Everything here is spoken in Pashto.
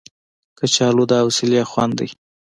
کچالو د حوصلې خوند دی